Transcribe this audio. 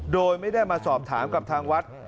โดยไม่ได้มาสอบถามกับทางวัด